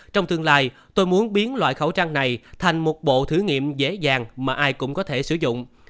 trong tương lai tôi muốn biến loại khẩu trang này thành một bộ thử nghiệm dễ dàng mà ai cũng có thể sử dụng